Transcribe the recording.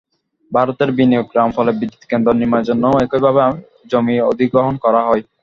ভারতের বিনিয়োগে রামপাল বিদ্যুৎকেন্দ্র নির্মাণের জন্যও একইভাবে জমি অধিগ্রহণ করা হয়।